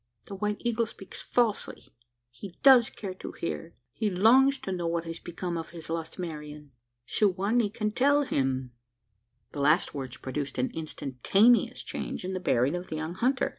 "The White Eagle speaks falsely! He does care to hear. He longs to know what has become of his lost Marian. Su wa nee can tell him." The last words produced an instantaneous change in the bearing of the young hunter.